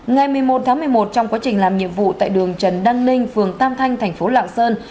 ngày một mươi một tháng một mươi một trong quá trình làm nhiệm vụ tại đường trần đăng ninh phường tam thanh thành phố lạng sơn